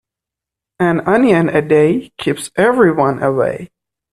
An onion a day keeps everyone away.